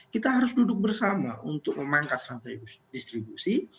kita harus duduk bersama untuk memangkas rantai distribusi